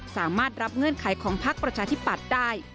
สามารถรับเงื่อนไขของพักประชาธิปัตย์ได้